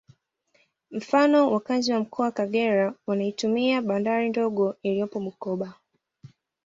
Mfano wakazi wa Mkoa Kagera wanaitumia bandari ndogo iliyopo Bukoba